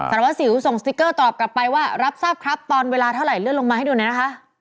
วัสสิวส่งสติ๊กเกอร์ตอบกลับไปว่ารับทราบครับตอนเวลาเท่าไหเลื่อนลงมาให้ดูหน่อยนะคะ